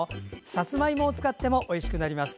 さつまいもを使ってもおいしくなります。